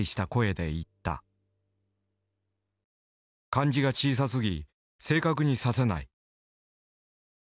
「漢字が小さすぎ正確に指せない」。